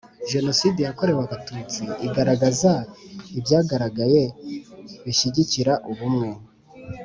Jenoside yakorewe Abatutsi igaragaza ibyagaragaye bishyigikira ubumwe